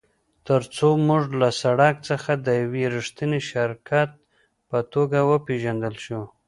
ترڅو موږ له سړک څخه د یو ریښتیني شرکت په توګه وپیژندل شو